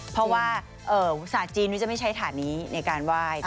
เพราะว่าศาสตร์จีนจะไม่ใช้ถาดนี้ในการว่าย